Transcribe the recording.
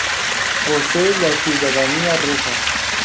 Posee la ciudadanía rusa.